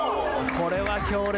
これは強烈。